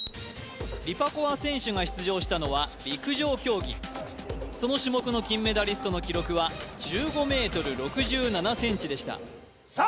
リパコワ選手が出場したのは陸上競技その種目の金メダリストの記録は１５ｍ６７ｃｍでしたさあ